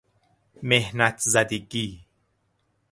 محنت زدگی